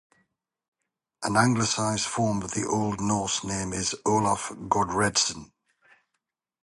An Anglicised form of the Old Norse name is Olaf Godredsson.